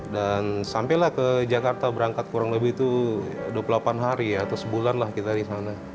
dan sampai lah ke jakarta berangkat kurang lebih itu dua puluh delapan hari atau sebulan lah kita di sana